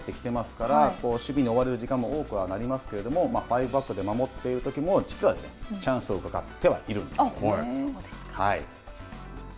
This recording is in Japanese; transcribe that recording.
相手も強くなってきていますから、守備に追われる時間も多くなりますけれども、ファイブバックで守っているときにも、実はですね、チャンスをうかがってはいるんですよね。